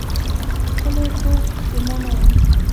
په خپلو ښو پښېمانه یم.